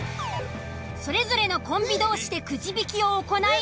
それぞれのコンビ同士でくじ引きを行い。